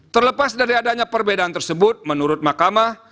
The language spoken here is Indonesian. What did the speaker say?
terlepas dari adanya perbedaan tersebut menurut mahkamah